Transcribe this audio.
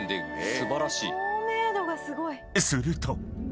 ［すると］